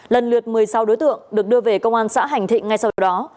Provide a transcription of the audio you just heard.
lần lượt một mươi sáu đối tượng được đưa về công an xã hành thịnh ngay sau đó